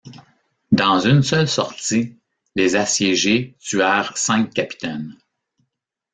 Dans une seule sortie les assiégés tuèrent cinq capitaines.